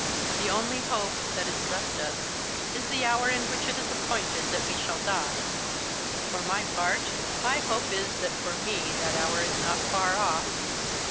The only hope that is left us is the hour in which it is appointed that we shall die. For my part, my hope is that for me that hour is not far off.